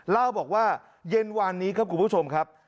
เล่าบอกว่าเย็นวานนี้ครับคุณผู้ชมครับ